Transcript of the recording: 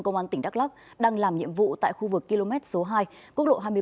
công an tỉnh đắk lắc đang làm nhiệm vụ tại khu vực km số hai quốc lộ hai mươi bảy